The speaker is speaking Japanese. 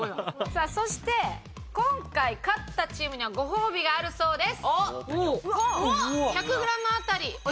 さあそして今回勝ったチームにはご褒美があるそうです。